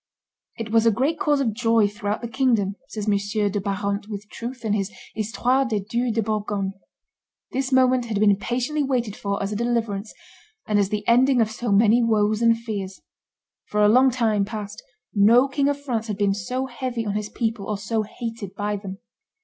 "It was a great cause of joy throughout the kingdom," says M. de Barante with truth, in his Histoire des Dues de Bourgogne: "this moment had been impatiently waited for as a deliverance, and as the ending of so many woes and fears. For a long time past no King of France had been so heavy on his people or so hated by them."